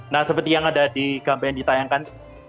nah seperti yang ada di gambar yang ditayangkan